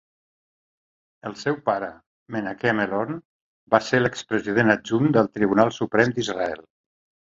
El seu pare, Menachem Elon, va ser l'expresident adjunt del Tribunal Suprem d'Israel.